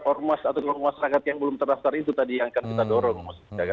ormas atau masyarakat yang belum terdaftar itu tadi yang akan kita dorong